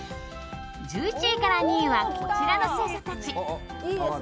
１１位から２位はこちらの星座たち。